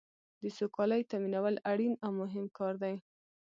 د سوکالۍ تامینول اړین او مهم کار دی.